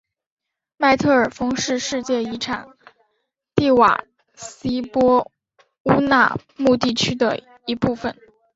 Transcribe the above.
麦特尔峰是世界遗产蒂瓦希波乌纳穆地区的一部分。